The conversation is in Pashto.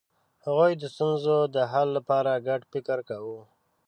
هغوی د ستونزو د حل لپاره ګډ فکر کاوه.